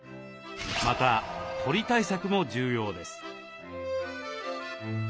また鳥対策も重要です。